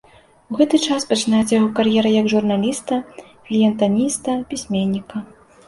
У гэты час пачынаецца яго кар'ера як журналіста, фельетаніста, пісьменніка.